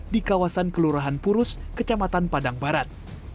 di kawasan kelurahan purus kecamatan padang barat